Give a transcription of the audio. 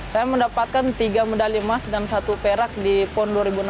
saya mendapatkan tiga medali emas dan satu perak di pon dua ribu enam belas